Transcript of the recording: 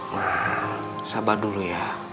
nah sabar dulu ya